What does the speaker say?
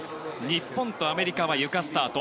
日本とアメリカはゆかスタート。